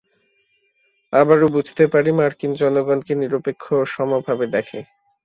আবারও বুঝতে পারি, মার্কিন জনগণকে নিরপেক্ষ ও সমভাবে দেখে।